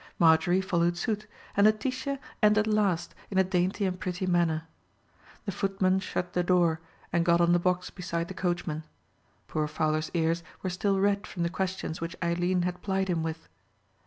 Marjorie followed suit, and Letitia entered last in a dainty and pretty manner. The footman shut the door and got on the box beside the coachman. Poor Fowler's ears were still red from the questions which Eileen had plied him with.